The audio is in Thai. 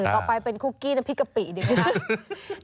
ต่อไปเป็นคุกกี้น้ำพริกกะปิดีไหมคะ